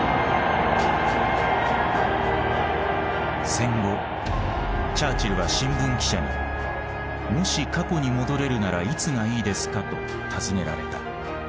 戦後チャーチルは新聞記者に「もし過去に戻れるならいつがいいですか」と尋ねられた。